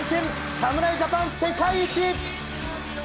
侍ジャパン、世界一。